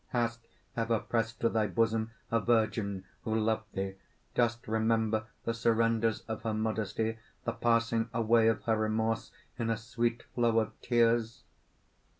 "Hast ever pressed to thy bosom a virgin who loved thee? Dost remember the surrenders of her modesty, the passing away of her remorse in a sweet flow of tears?